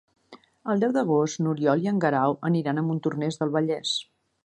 El deu d'agost n'Oriol i en Guerau aniran a Montornès del Vallès.